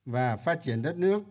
và phát triển đất nước